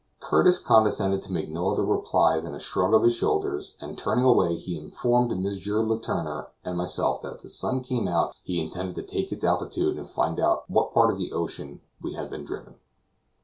Curtis condescended to make no other reply than a shrug of the shoulders, and turning away he informed M. Letourneur and myself that if the sun came out he intended to take its altitude and find out to what part of the ocean we had been driven.